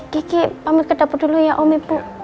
kiki pamit ke dapur dulu ya om ibu